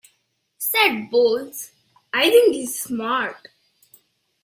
Said Bowles: I think he's smart.